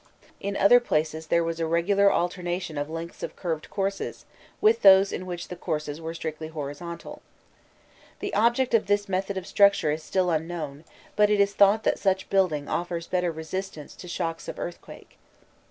In other places there was a regular alternation of lengths of curved courses, with those in which the courses were strictly horizontal. The object of this method of structure is still unknown, but it is thought that such building offers better resistance to shocks of earthquake.